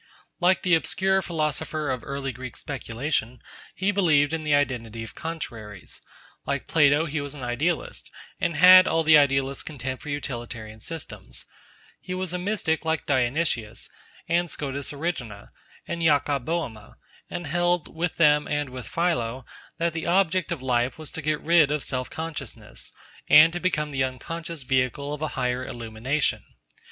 Like the obscure philosopher of early Greek speculation, he believed in the identity of contraries; like Plato, he was an idealist, and had all the idealist's contempt for utilitarian systems; he was a mystic like Dionysius, and Scotus Erigena, and Jacob Bohme, and held, with them and with Philo, that the object of life was to get rid of self consciousness, and to become the unconscious vehicle of a higher illumination.